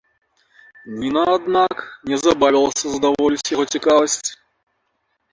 Ніна, аднак, не забавілася здаволіць яго цікавасць.